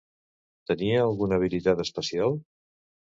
Tenia alguna habilitat especial?